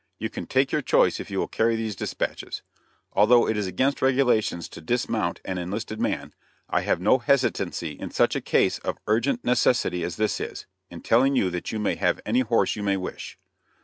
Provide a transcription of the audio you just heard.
You can take your choice if you will carry these dispatches. Although it is against regulations to dismount an enlisted man, I have no hesitancy in such a case of urgent necessity as this is, in telling you that you may have any horse you may wish."